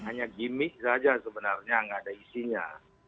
hanya gimmick saja sebenarnya nggak ada isinya